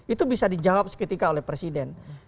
itu bisa dijawab seketika oleh presiden